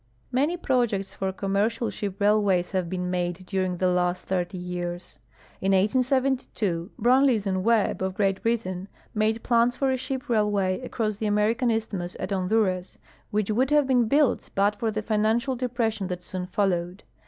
Many ])r()jects for commercial sliii) railways have been made during the last thirty years. In 1872 Brunlees and ^Vebb, of Great Britain, made plans for a sliii) railway across the American isthmus at Honduras, which would haye l)een built but for the financial depression that. soon followed.